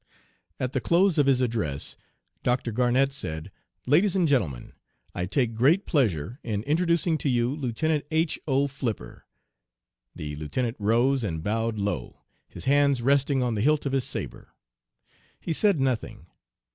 "At the close of his address, Dr. Garnett said: 'Ladies and gentlemen, I take great pleasure in introducing to you Lieutenant H. O. Flipper.' The Lieutenant rose and bowed low, his hands resting on the hilt of his sabre. He said nothing.